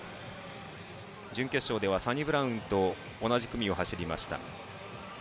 準決勝ではサニブラウンと同じ組を走りました。